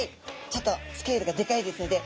ちょっとスケールがでかいですので。